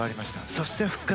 そして復活。